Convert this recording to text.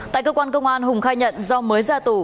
tại cơ quan công an hùng khai nhận do mới ra tù